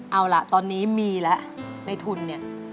เอาล่ะตอนนี้มีแล้วในทุนเนี่ย